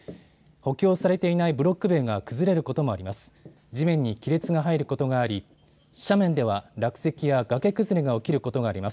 補強されていないブロック塀が崩れることもあります。